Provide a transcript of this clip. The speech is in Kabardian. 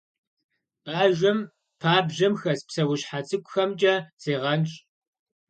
Бажэм пабжьэм хэс псэущхьэ цӀыкӀухэмкӀэ зегъэнщӀ.